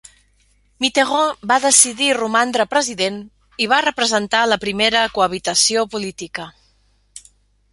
Mitterrand va decidir romandre president, i va representar la primera cohabitació política.